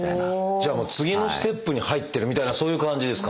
じゃあもう次のステップに入ってるみたいなそういう感じですか？